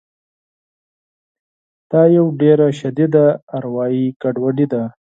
دا یوه ډېره شدیده اروایي ګډوډي ده